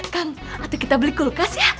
kak atau kita beli kulkas ya